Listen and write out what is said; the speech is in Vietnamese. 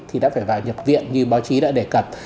thì đã phải vào nhập viện như báo chí đã đề cập